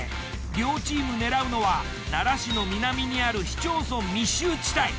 両チーム狙うのは奈良市の南にある市町村密集地帯。